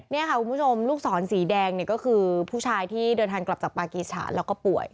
นี่ค่ะคุณผู้ชมลูกศรสีแดงเนี่ยก็คือผู้ชายที่เดินทางกลับจากปากีฉาแล้วก็ป่วย